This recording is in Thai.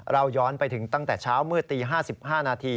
เราย้อนไปถึงตั้งแต่เช้ามืดตี๕๕นาที